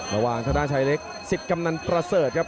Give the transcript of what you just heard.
ระหว่างธนาชัยเล็กสิ้นกำลังประเสริฐครับ